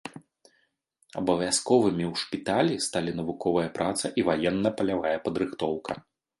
Абавязковымі ў шпіталі сталі навуковая праца і ваенна-палявая падрыхтоўка.